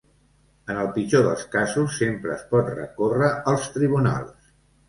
En el pitjor dels casos, sempre es pot recórrer als tribunals.